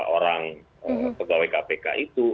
orang pegawai kpk itu